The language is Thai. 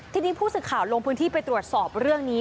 ทีนี้ผู้สื่อข่าวลงพื้นที่ไปตรวจสอบเรื่องนี้